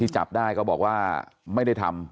จับได้ก็บอกว่าไม่ได้ทำ